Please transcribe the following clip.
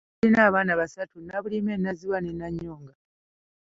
Balina abaana basatu, Nabulime, Nazziwa ne Nannyonga.